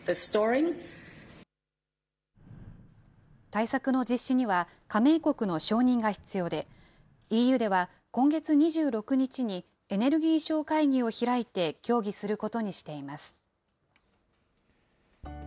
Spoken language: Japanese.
対策の実施には加盟国の承認が必要で、ＥＵでは、今月２６日にエネルギー相会議を開いて協議することにしています。